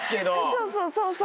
そうそうそうそう。